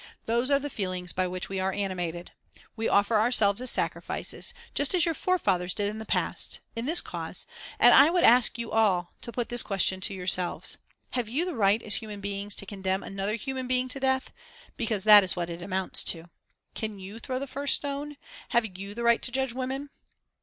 Those are the feelings by which we are animated. We offer ourselves as sacrifices, just as your forefathers did in the past, in this cause, and I would ask you all to put this question to yourselves: Have you the right, as human beings, to condemn another human being to death because that is what it amounts to? Can you throw the first stone? Have you the right to judge women?